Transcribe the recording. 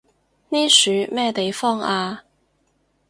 呢樹咩地方啊？